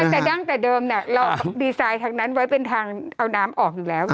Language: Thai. แต่ดั้งแต่เดิมเราดีไซน์ทางนั้นไว้เป็นทางเอาน้ำออกอยู่แล้วไง